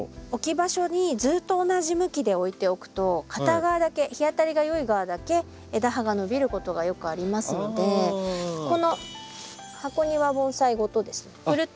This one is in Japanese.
置き場所にずっと同じ向きで置いておくと片側だけ日当たりがよい側だけ枝葉が伸びることがよくありますのでこの箱庭盆栽ごとですね